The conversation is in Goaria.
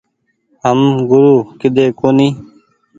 هم گورو ڪيۮي ڪونيٚ ۔